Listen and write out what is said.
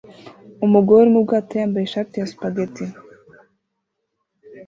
Umugore uri mubwato yambaye ishati ya spaghetti